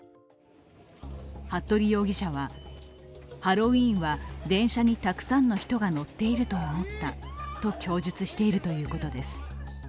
服部容疑者は、ハロウィーンは電車にたくさんの人が乗っていると思ったと供述しているということです。